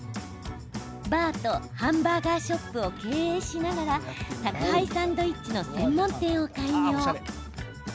バーとハンバーガーショップを経営しながら宅配サンドイッチの専門店を開業。